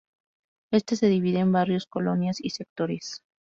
Este se divide en Barrios, Colonias y sectores.